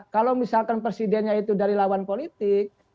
kalau misalkan presidennya itu dari lawan politik